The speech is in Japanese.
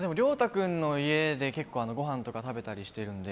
君の家で結構ごはんとか食べたりしてるので。